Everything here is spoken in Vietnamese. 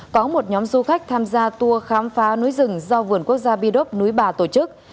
có một nhóm du khách tham gia tour khám phá núi rừng do vườn quốc gia bidop núi bà tổ chức